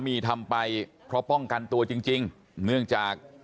บอกแล้วบอกแล้วบอกแล้วบอกแล้วบอกแล้ว